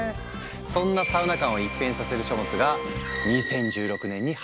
そんなサウナ観を一変させる書物が２０１６年に発表されたんだ。